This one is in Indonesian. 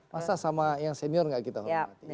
masa sama yang senior gak kita hormati